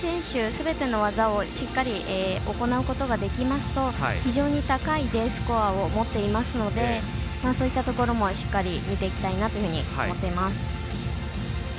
すべての技をしっかり行うことができますと非常に高いＤスコアを持っていますのでそういったところもしっかり見ていきたいなと思っています。